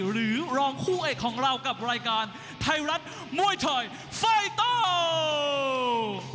หรือรองคู่เอกของเรากับรายการไทยรัฐมวยไทยไฟเตอร์